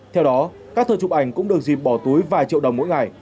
theo đó các thơ chụp ảnh cũng được dịp bỏ túi vài triệu đồng mỗi ngày